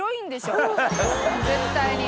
絶対に。